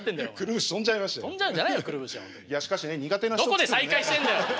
どこで再開してんだよ！